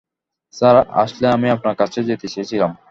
Sir, আসলে আমি আপনার কাছে যেতে চেয়েছিলাম।